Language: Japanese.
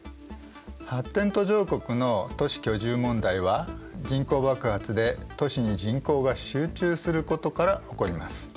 発展途上国の都市・居住問題は人口爆発で都市に人口が集中することから起こります。